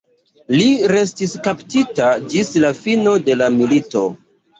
Li restis kaptita ĝis la fino de la milito.